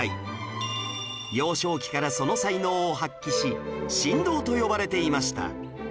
幼少期からその才能を発揮し神童と呼ばれていました